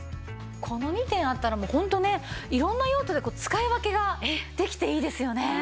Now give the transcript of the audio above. この２点あったらもうホントね色んな用途で使い分けができていいですよね。